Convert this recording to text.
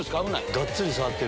がっつり触ってる。